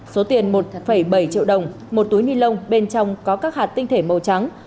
số tiền một bảy triệu đồng một túi nilon bên trong có các hạt tinh thể màu trắng